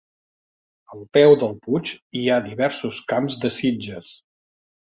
Al peu del puig hi ha diversos camps de sitges.